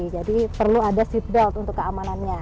jadi perlu ada seatbelt untuk keamanannya